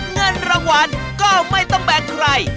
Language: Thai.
เงินรางวัลก็ไม่ต้องแบ่งใคร